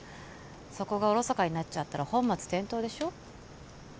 そこがおろそかになっちゃったら本末転倒でしょ？